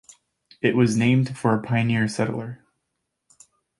It was named for a pioneer settler.